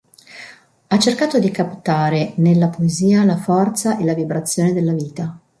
Ha cercato di captare nella poesia la forza e la vibrazione della vita.